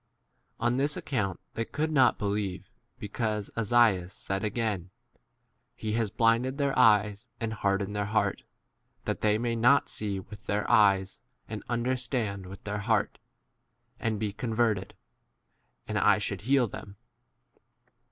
On this account they could not believe, because Esaias 40 said again, He has blinded their eyes and hardened their heart, that they may not see with their eyes and understand with their heart and be converted, and I 41 should heal them.